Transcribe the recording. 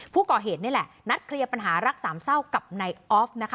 ผู้ก่อเหตุนี่แหละนัดเคลียร์ปัญหารักสามเศร้ากับนายออฟนะคะ